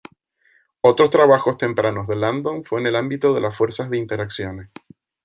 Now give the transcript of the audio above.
Otros trabajos tempranos de London fue en el ámbito de las fuerzas de interacciones.